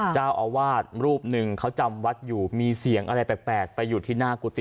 เจ้าอาวาสรูปหนึ่งเขาจำวัดอยู่มีเสียงอะไรแปลกไปอยู่ที่หน้ากุฏิ